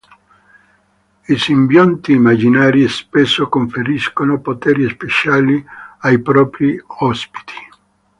I simbionti immaginari spesso conferiscono poteri speciali ai propri ospiti.